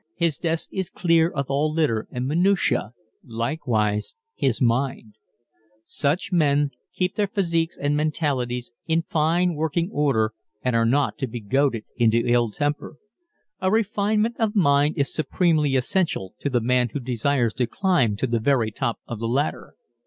His desk is clear of all litter and minutia likewise his mind. Such men keep their physiques and mentalities in fine working order and are not to be goaded into ill temper. A refinement of mind is supremely essential to the man who desires to climb to the very top of the ladder.